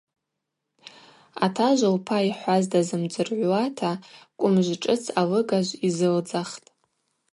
Атажв лпа йхӏваз дазымдзыргӏвуата кӏвымжв шӏыц алыгажв йзылдзахтӏ.